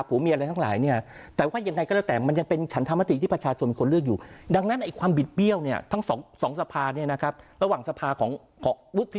ผมคิดว่าสิ่งเนี่ยต่อให้